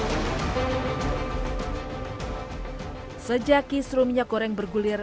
menteri perdagangan menghentikan perusahaan untuk mencari penyelenggaraan